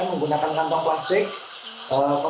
malam pun nggak ada gitu